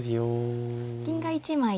銀が１枚。